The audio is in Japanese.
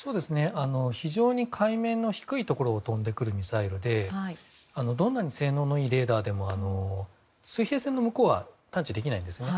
非常に海面の低いところを飛んでくるミサイルでどんなに性能のいいレーダーでも水平線の向こうは探知できないんですね。